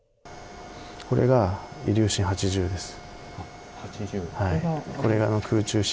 これがイリューシン８０です。